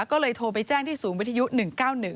ก็เลยโทรไปแจ้งที่ศูนย์วิทยุ๑๙๑